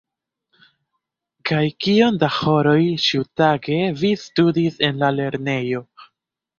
Kaj kiom da horoj ĉiutage vi studis en la lernejo?